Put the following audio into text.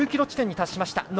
９ｋｍ地点に達しました。